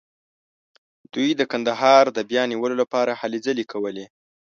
دوی د کندهار د بیا نیولو لپاره هلې ځلې کولې.